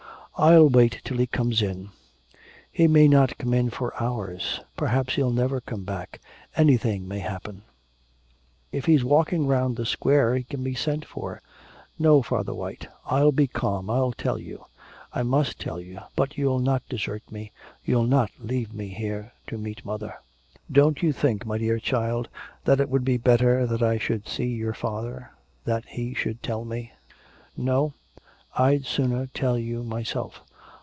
'I'll wait till he comes in.' 'He may not come in for hours. Perhaps he'll never come back, anything may happen.' 'If he's walking round the Square he can be sent for.' 'No, Father White. I'll be calm. I'll tell you. I must tell you, but you'll not desert me, you'll not leave me here to meet mother.' 'Don't you think, my dear child, that it would be better that I should see your father, that he should tell me?' 'No, I'd sooner tell you myself.